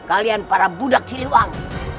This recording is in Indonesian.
kalian para budak siriwangi